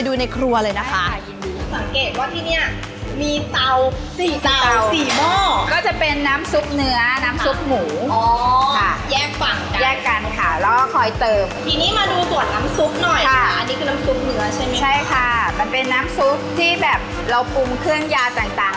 ใช่ค่ะมันเป็นน้ำซุปที่แบบเราปรุมเครื่องยาต่าง